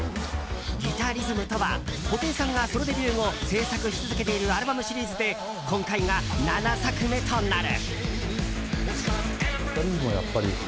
「ギタリズム」とは布袋さんがソロデビュー後制作し続けているアルバムシリーズで今回が７作目となる。